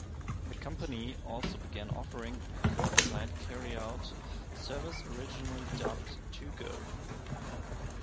The company also began offering a curbside carryout service originally dubbed "TueGo!".